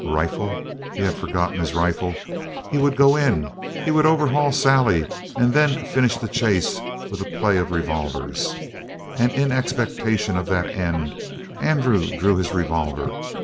Rifle? He had forgotten his rifle. He would go in, he would overhaul Sally, and then finish the chase with a play of revolvers. And in expectation of that end, Andrew drew his revolver.